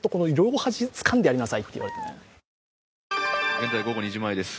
現在午後２時前です。